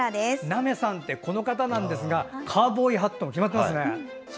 ナメさんってこの方なんですがカウボーイハットが決まってますね。